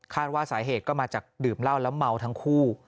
ว่าสาเหตุก็มาจากดื่มเหล้าแล้วเมาทั้งคู่